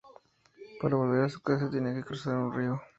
Para volver a su casa tenía que cruzar un río.